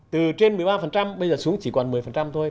từ trên một mươi ba bây giờ xuống chỉ còn một mươi thôi